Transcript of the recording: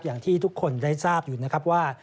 อย่างที่ทุกคนได้ทราบอยู่นะครับว่า